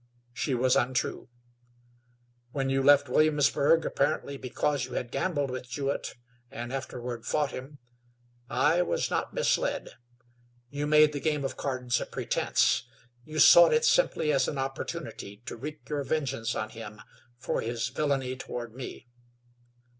She was untrue. When you left Williamsburg, apparently because you had gambled with Jewett and afterward fought him, I was not misled. You made the game of cards a pretense; you sought it simply as an opportunity to wreak your vengeance on him for his villainy toward me.